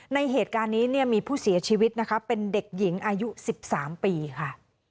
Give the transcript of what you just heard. ในเหตุการณ์นี้เนี่ยมีผู้เสียชีวิตนะคะเป็นเด็กหญิงอายุ๑๓ปีค่ะ